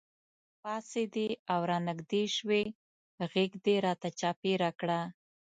پاڅېدې او رانږدې شوې غېږ دې راته چاپېره کړه.